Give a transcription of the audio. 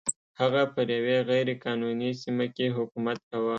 هغه پر یوې غیر قانوني سیمه کې حکومت کاوه.